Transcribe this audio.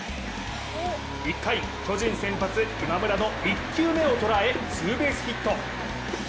１回、巨人先発・今村の１球目を捉えツーベースヒット。